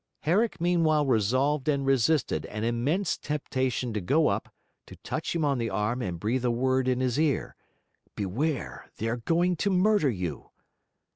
Herrick meanwhile resolved and resisted an immense temptation to go up, to touch him on the arm and breathe a word in his ear: 'Beware, they are going to murder you.'